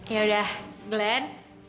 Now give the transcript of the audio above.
ya udah glenn